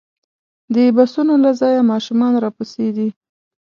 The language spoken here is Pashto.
د بسونو له ځایه ماشومان راپسې دي.